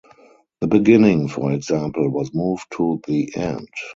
The beginning, for example, was moved to the end.